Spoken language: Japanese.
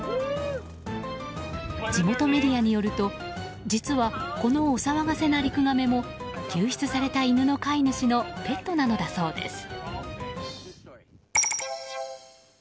地元メディアによると実は、このお騒がせなリクガメも救出された犬の飼い主のペットなのだそうです。